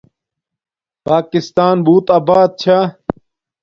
پاکستان بوت آبات چھا